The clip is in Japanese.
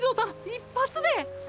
一発でっ！！